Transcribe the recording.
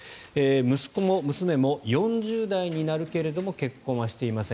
息子も娘も４０代になるけれども結婚はしていません。